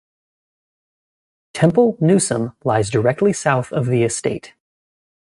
Temple Newsam lies directly south of the estate.